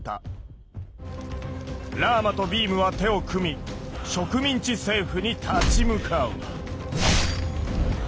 ラーマとビームは手を組み植民地政府に立ち向かう。